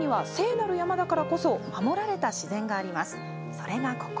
それがここ。